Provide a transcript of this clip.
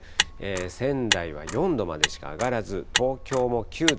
仙台は４度までしか上がらず、東京も９度。